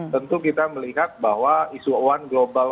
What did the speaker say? tentu kita melihat bahwa isu one global